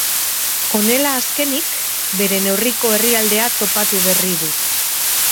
Honela azkenik bere neurriko herrialdea topatu berri du.